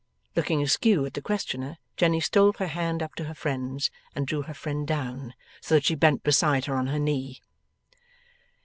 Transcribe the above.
Looking askew at the questioner, Jenny stole her hand up to her friend's, and drew her friend down, so that she bent beside her on her knee.